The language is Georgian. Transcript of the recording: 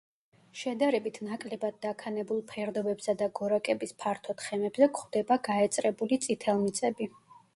შედარებით ნაკლებად დაქანებულ ფერდობებსა და გორაკების ფართო თხემებზე გვხვდება გაეწრებული წითელმიწები.